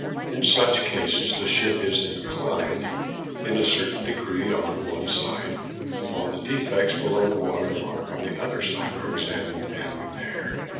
In such cases the ship is inclined in a certain degree on one side, while the defects below the water mark on the other side are examined and repaired.